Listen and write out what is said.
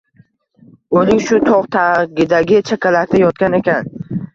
O‘lik shu tog‘ tagidagi chakalakda yotgan ekan.